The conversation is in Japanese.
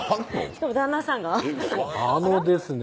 しかも旦那さんがあのですね